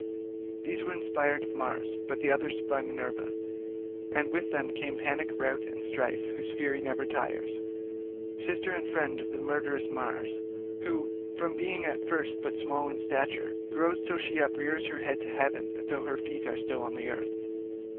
These were inspired of Mars, but the others by Minerva—and with them came Panic, Rout, and Strife whose fury never tires, sister and friend of murderous Mars, who, from being at first but low in stature, grows till she uprears her head to heaven, though her feet are still on earth.